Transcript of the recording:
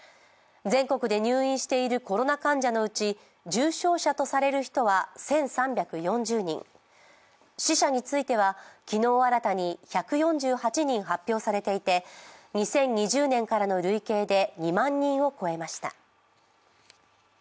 全国で入院しているコロナ患者のうち重症者とされる人は１３４０人、死者については昨日新たに１４８人発表されていて２０２０年からの累計で２万人を超えました。